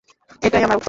এটাই আমার উত্তর।